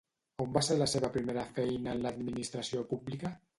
On va ser la seva primera feina en l'administració pública?